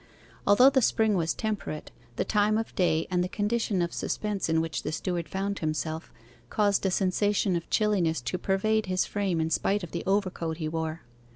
Although the spring was temperate, the time of day, and the condition of suspense in which the steward found himself, caused a sensation of chilliness to pervade his frame in spite of the overcoat he wore.